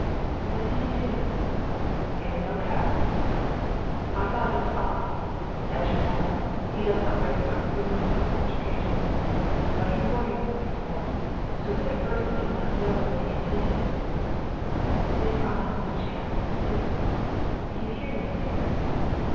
"What did he do?" "He had no cap, mademoiselle. I thought that was odd. And as you know he does not wear his own uniform on such occasions. But he wore his own uniform, so that at first I did not know what he intended." "Later on," she asked, "you did you hear anything?"